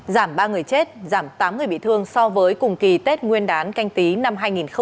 giảm ba người chết giảm tám người bị thương so với cùng kỳ tết nguyên đán canh tí năm hai nghìn hai mươi